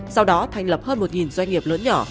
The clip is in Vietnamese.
sau đó thành lập hơn một doanh nghiệp lớn nhỏ